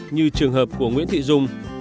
như trường hợp của nguyễn thị dung